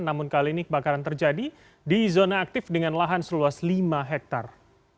namun kali ini kebakaran terjadi di zona aktif dengan lahan seluas lima hektare